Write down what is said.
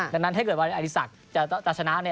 ดังนั้นถ้าเกิดว่าอาริสักจะชนะ